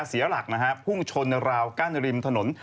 เสียหลักนะฮะพุ่งชนราวกั้นริมถนน